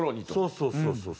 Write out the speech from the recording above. そうそうそうそう。